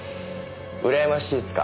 うらやましいっすか？